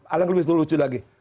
ada yang lebih lucu lagi